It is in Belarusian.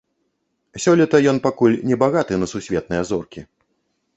Сёлета ён пакуль не багаты на сусветныя зоркі.